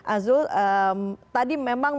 azul tadi memang